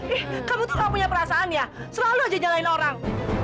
ih kamu tuh gak punya perasaan ya selalu aja jalanin orang